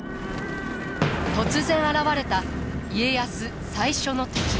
突然現れた家康最初の敵。